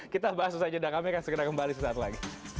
kita bahas usaha ijadah kami akan segera kembali suatu saat lagi